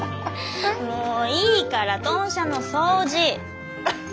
もういいから豚舎の掃除！